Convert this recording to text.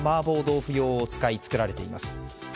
麻婆豆腐用を使い作られています。